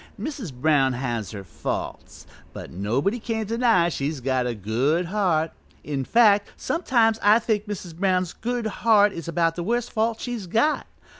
Mrs. Brown has her faults, but nobody can't deny as she's got a good heart, in fact, sometimes I think Mrs. Brown's good heart is about the worst fault she's got.